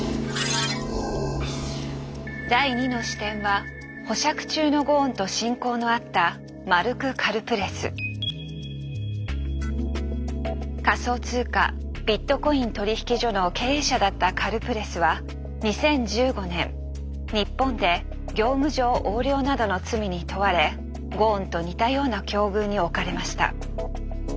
第２の視点は保釈中のゴーンと親交のあった仮想通貨ビットコイン取引所の経営者だったカルプレスは２０１５年日本で業務上横領などの罪に問われゴーンと似たような境遇に置かれました。